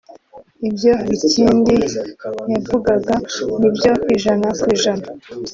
ibyo Bikindi yavugaga ni byo ijana ku ijana